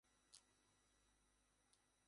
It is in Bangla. তোমরা যা বিশ্বাস কর, ওরাই সাহায্য-উপকার করে।